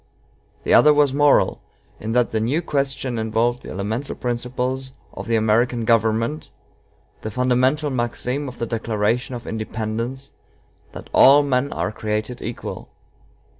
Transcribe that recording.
The other was moral, in that the new question involved the elemental principles of the American government, the fundamental maxim of the Declaration of Independence, that all men are created equal.